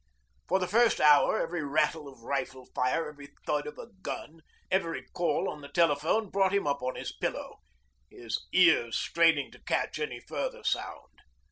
For the first hour every rattle of rifle fire, every thud of a gun, every call on the telephone brought him up on his pillow, his ears straining to catch any further sound.